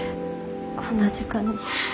こんな時間に。